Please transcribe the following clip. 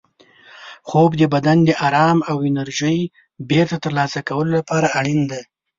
خوب د بدن د ارام او انرژۍ بېرته ترلاسه کولو لپاره اړین دی.